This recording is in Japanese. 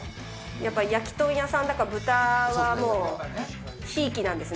やっぱりやきとん屋さんだから、豚はもうひいきなんですね。